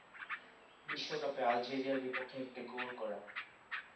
বিশ্বকাপে আলজেরিয়ার বিপক্ষে একটি গোল করেন।